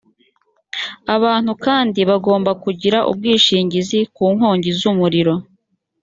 abantu kandi bagomba kugira ubwishingizi ku nkongi z umuriro